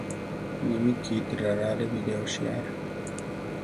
Nimí gite rarare biré oshiara.